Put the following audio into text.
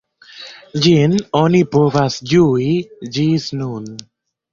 Ĝin oni povas ĝui ĝis nun.